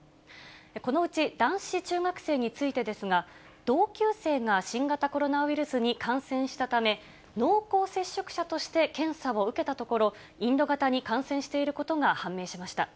このうち男子中学生についてですが、同級生が新型コロナウイルスに感染したため、濃厚接触者として検査を受けたところ、インド型に感染していることが判明しました。